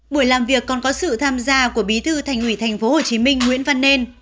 buổi làm việc còn có sự tham gia của bí thư thành ủy thành phố hồ chí minh nguyễn văn nên